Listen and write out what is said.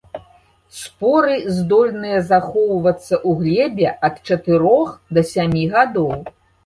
Споры здольныя захоўвацца ў глебе ад чатырох да сямі гадоў.